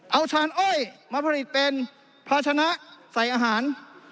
เอาชานอ้อยมาผลิตเป็นภาชนะใส่อาหาร